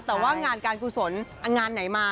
แต่ว่างานการกุศลงานไหนมา